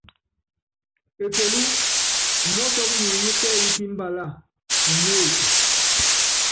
Ekelú umɔ́sɔ́k muenyi kɛ́ɛ́y kí imbalá uméeki.